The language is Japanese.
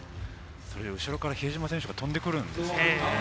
後ろから比江島選手が跳んでくるんですもんね。